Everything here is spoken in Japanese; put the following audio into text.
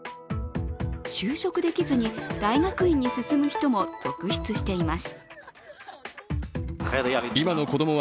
就職できずに大学院に進む人も続出しています。